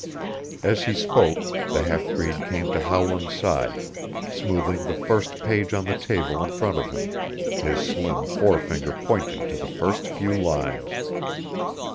As he spoke the half breed came to Howland's side, smoothing the first page on the table in front of him, his slim forefinger pointing to the first few lines.